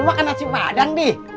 lu makan nasi padang be